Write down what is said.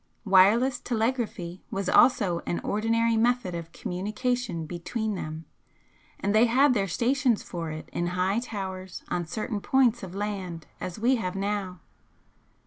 Wireless telegraphy was also an ordinary method of communication between them, and they had their 'stations' for it in high towers on certain points of land as we have now.